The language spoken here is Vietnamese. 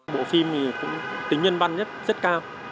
bộ phim thì cũng tính nhân văn rất cao